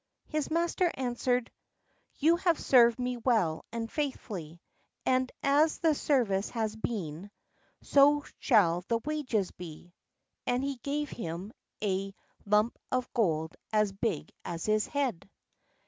His master answered, "You have served me well and faithfully, and as the service has been, so shall the wages be." And he gave him a lump of gold as big as his head.